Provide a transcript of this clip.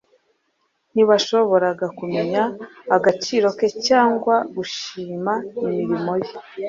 Ntibashoboraga kumenya agaciro ke cyangwa gushima imirimo ye.